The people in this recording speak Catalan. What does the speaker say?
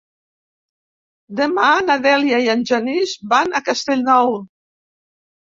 Demà na Dèlia i en Genís van a Castellnou.